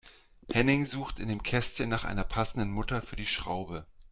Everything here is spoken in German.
Henning sucht in dem Kästchen nach einer passenden Mutter für die Schraube.